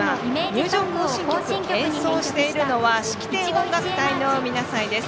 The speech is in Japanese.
入場行進曲、演奏しているのは式典音楽隊の皆さんです。